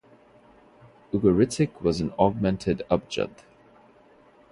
Ugaritic was an augmented abjad.